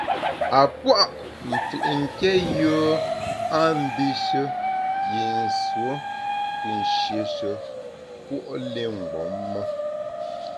A pua’ mfù’ nké yùe a mbishe yi nsuo te nshieshe puo’ li mgbom me.